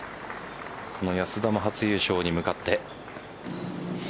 この安田も初優勝に向かって。